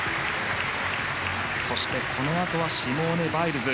そして、このあとはシモーネ・バイルズ。